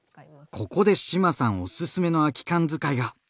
ここで志麻さんおすすめの空き缶使いが！